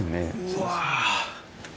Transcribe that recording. うわ。